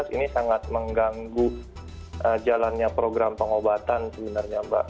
ini sangat mengganggu jalannya program pengobatan sebenarnya mbak